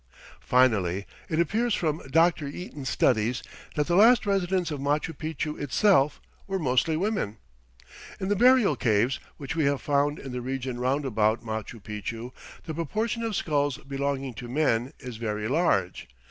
Finally, it appears from Dr. Eaton's studies that the last residents of Machu Picchu itself were mostly women. In the burial caves which we have found in the region roundabout Machu Picchu the proportion of skulls belonging to men is very large.